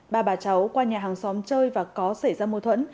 ba bà cháu qua nhà hàng xóm chơi và có xảy ra mâu thuẫn